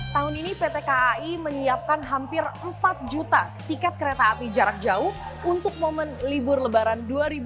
tahun ini pt kai menyiapkan hampir empat juta tiket kereta api jarak jauh untuk momen libur lebaran dua ribu dua puluh